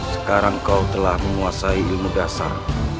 sekarang kau telah menguasai ilmu dasar